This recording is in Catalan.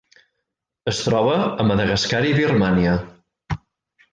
Es troba a Madagascar i Birmània.